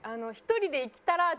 １人で生きたらぁ！